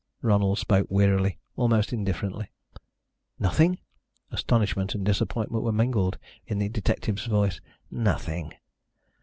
Ronald spoke wearily almost indifferently. "Nothing?" Astonishment and disappointment were mingled in the detective's voice. "Nothing."